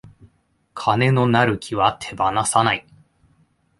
金のなる木は手放さない